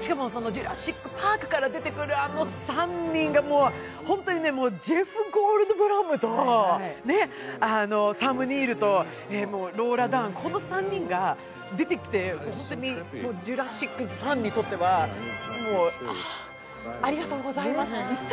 しかも、「ジュラシック・パーク」から出てくる、あの３人がホントにね、ジェフ・ゴールドブラムとサム・ニールと、ローラ・ダーン、この３人が出てきて、「ジュラシック」ファンにとってはあ、ありがとうございますって。